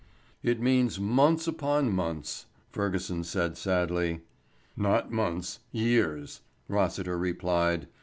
"It means months upon months," Fergusson said sadly. "Not months years," Rossiter replied.